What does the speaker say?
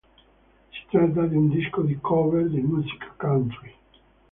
Si tratta di un disco di cover di musica country.